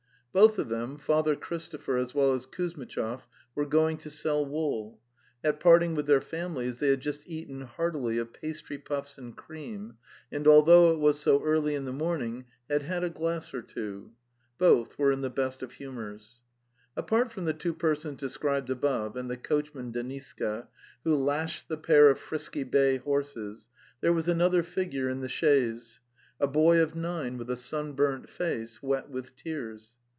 Both of them, Father Christopher as well as Kuzmitchov, were going to sell wool. At part ing with their families they had just eaten heartily of pastry puffs and cream, and although it was so early in the morning had had a glass or two... . Both were in the best of humours. Apart from the two persons described above and the coachman Deniska, who lashed the pair of frisky bay horses, there was another figure in the chaise— a boy of nine with a sunburnt face, wet with tears.